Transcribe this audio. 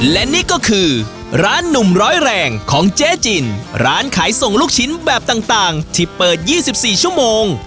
และนี่ก็คือร้านหนุ่มร้อยแรงของเจ๊จินร้านขายส่งลูกชิ้นแบบต่างที่เปิด๒๔ชั่วโมง